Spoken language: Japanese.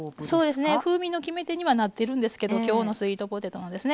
そうですね風味の決め手にはなってるんですけど今日のスイートポテトのですね。